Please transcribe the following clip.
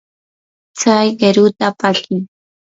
tsay qiruta pakii.